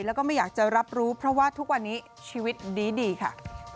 แล้วก็ไม่อยากจะรับรู้เพราะว่าทุกวันนี้ชีวิตดีค่ะ